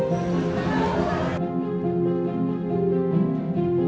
mencoba untuk mencoba